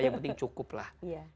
yang penting cukup lah